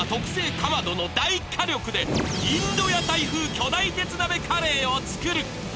かまどの大火力で、インド屋台風巨大鉄鍋カレーを作る。